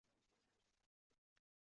O‘pkasi to‘lib ketayotganini sezdi